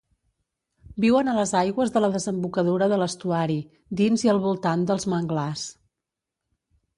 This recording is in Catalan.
Viuen a les aigües de la desembocadura de l'estuari, dins i al voltant dels manglars.